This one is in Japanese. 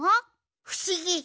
ふしぎ！